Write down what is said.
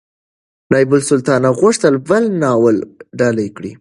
نایبالسلطنه غوښتل بل ناول ډالۍ کړي.